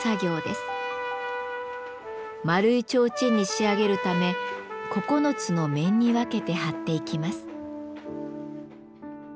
丸い提灯に仕上げるため９つの面に分けて張っていきます。